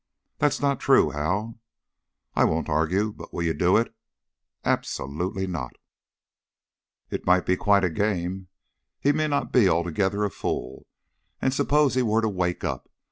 "That's not true, Hal!" "I won't argue. But will you do it?" "Absolutely not!" "It might be quite a game. He may not be altogether a fool. And suppose he were to wake up?